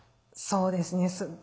そうですね。